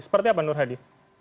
seperti apa nur hadi